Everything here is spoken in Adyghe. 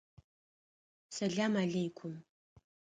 Сэлам аллейкум!